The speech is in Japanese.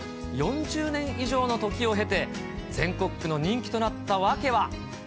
４０年以上の時を経て、全国区の人気となった訳は。